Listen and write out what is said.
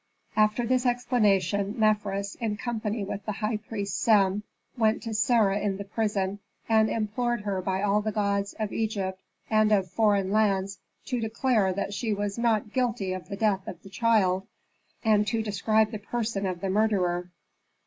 After this explanation Mefres, in company with the high priest Sem, went to Sarah in the prison, and implored her by all the gods of Egypt and of foreign lands to declare that she was not guilty of the death of the child, and to describe the person of the murderer.